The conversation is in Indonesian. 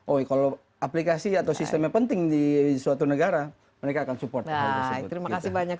oh kalau aplikasi atau sistemnya penting di suatu negara mereka akan support terima kasih banyak